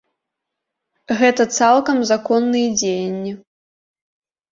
Гэта цалкам законныя дзеянні.